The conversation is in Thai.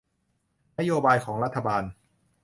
นโยบายของรัฐบาล